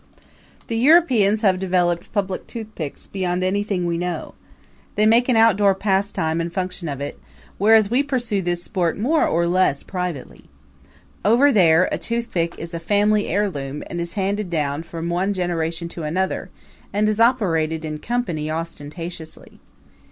The Europeans have developed public toothpicking beyond anything we know. They make an outdoor pastime and function of it, whereas we pursue this sport more or less privately. Over there, a toothpick is a family heirloom and is handed down from one generation to another, and is operated in company ostentatiously.